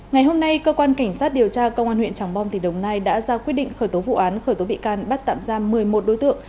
ngày hôm nay cơ quan cảnh sát điều tra công an huyện tràng bom tỉnh đồng nai đã ra quyết định khởi tố vụ án khởi tố bị can bắt tạm giam một mươi một đối tượng